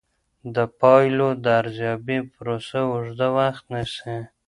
د پایلو د ارزیابۍ پروسه اوږده وخت نیسي.